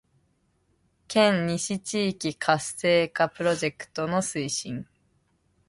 県西地域活性化プロジェクトの推進